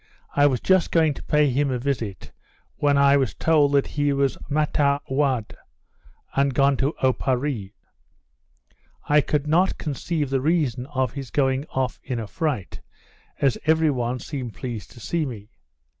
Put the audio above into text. I was just going to pay him a visit, when I was told he was mataow'd, and gone to Oparree. I could not conceive the reason of his going off in a fright, as every one seemed pleased to see me.